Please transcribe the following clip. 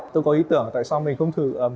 tôi có ý tưởng tại sao mình không thử